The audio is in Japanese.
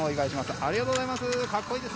ありがとうございます。